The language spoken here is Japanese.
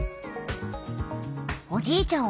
おじいちゃん